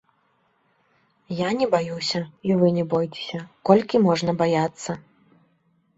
Я не баюся, і вы не бойцеся, колькі можна баяцца?